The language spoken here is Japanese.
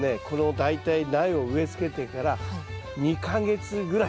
この大体苗を植えつけてから２か月ぐらい。